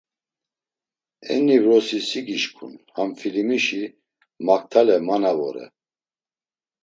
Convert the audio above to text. Eni vorsi si gişǩun, ham filimişi maktale ma na vore.